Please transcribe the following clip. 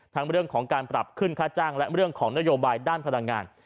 ทั้งเรื่องของการปรับขึ้นค่าจ้างและเรื่องของนโยบายด้านพลังงาน